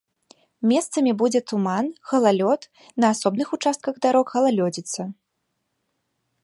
Месцамі будзе туман, галалёд, на асобных участках дарог галалёдзіца.